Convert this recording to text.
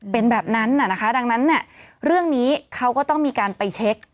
เป็นแบบนั้นน่ะนะคะดังนั้นเรื่องนี้เขาก็ต้องมีการไปเช็ค